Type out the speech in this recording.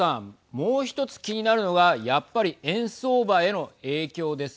もう１つ気になるのがやっぱり円相場への影響です。